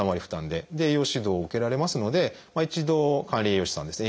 で栄養指導を受けられますので一度管理栄養士さんですね